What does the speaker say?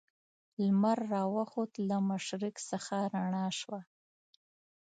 لمر را وخوت له مشرق څخه رڼا شوه.